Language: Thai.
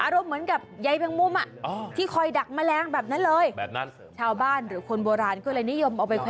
อรบเหมือนกับใยแมงมุมอะที่คอยดักแมลงแบบนั้นเลย